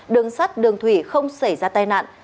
đường sắt đường thủy không xảy ra tai nạn